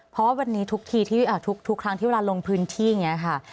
เพราะว่าวันนี้ทุกทีที่ทุกครั้งที่เวลาลงพื้นที่อย่างนี้ค่ะ